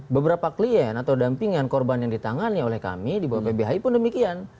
beberapa klien atau dampingan korban yang ditangani oleh kami di bawah pbhi pun demikian